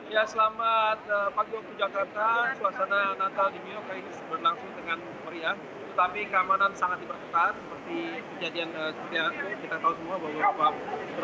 ya selamat pagi untuk jakarta